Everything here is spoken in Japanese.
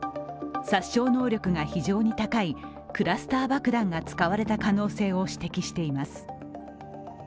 殺傷能力が非常に高いクラスター爆弾が使われた可能性を指摘しています。